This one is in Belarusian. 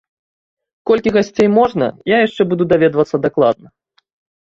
Колькі гасцей можна, я яшчэ буду даведвацца дакладна.